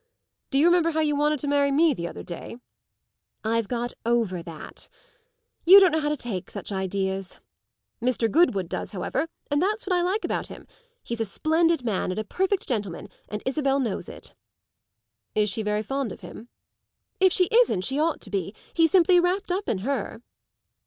Do you remember how you wanted to marry me the other day?" "I've got over that. You don't know how to take such ideas. Mr. Goodwood does, however; and that's what I like about him. He's a splendid man and a perfect gentleman, and Isabel knows it." "Is she very fond of him?" "If she isn't she ought to be. He's simply wrapped up in her."